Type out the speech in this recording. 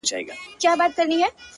نو زما نصيب دې گراني وخت د ماځيگر ووهي